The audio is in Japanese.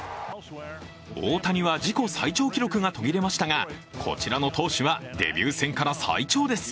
大谷は自己最長記録が途切れましたが、こちらの投手はデビュー戦から最長です。